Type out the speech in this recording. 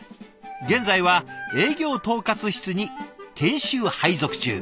現在は営業統括室に研修配属中。